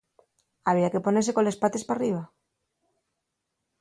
Había que ponese coles pates p'arriba.